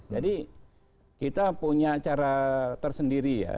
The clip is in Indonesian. jadi kita punya cara tersendiri ya